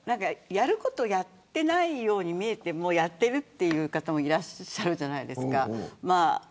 やることをやってないように見えてもやってるという方もいらっしゃるじゃないですか。